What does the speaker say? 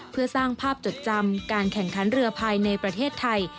เพื่อสร้างภาพจดจำการแข่งขันเรือภายในประเทศไทย